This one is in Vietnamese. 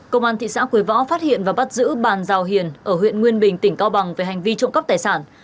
công an thị xã quế võ phát hiện và bắt giữ bàn giao hiền ở huyện nguyên bình tỉnh cao bằng về hành vi trộm cắp tài sản